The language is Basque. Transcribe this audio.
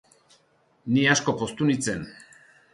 Ni asko poztu nintzen.